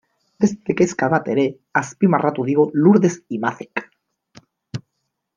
Beste kezka bat ere azpimarratu digu Lurdes Imazek.